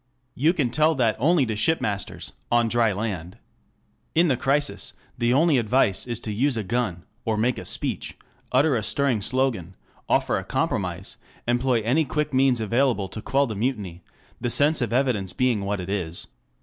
You can tell that only to shipmasters on dry land. In the crisis, the only advice is to use a gun, or make a speech, utter a stirring slogan, offer a compromise, employ any quick means available to quell the mutiny, the sense of evidence being what it is.